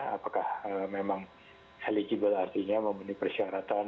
apakah memang eligible artinya memenuhi persyaratan